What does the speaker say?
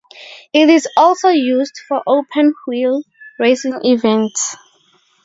It is also used for open wheel racing events.